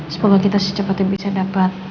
semoga kita secepatnya bisa dapat